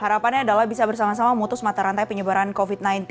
harapannya adalah bisa bersama sama memutus mata rantai penyebaran covid sembilan belas